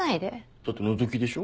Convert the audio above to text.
だって覗きでしょ？